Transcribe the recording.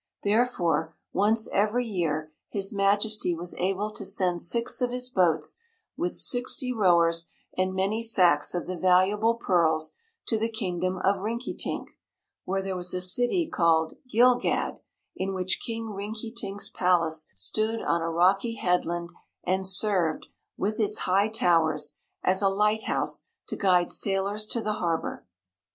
Therefore, once every year His Majesty was able to send six of his boats, with sixty rowers and many sacks of the valuable pearls, to the Kingdom of Rinkitink, where there was a city called Gilgad, in which King Rinkitink's palace stood on a rocky headland and served, with its high towers, as a lighthouse to guide sailors to the harbor.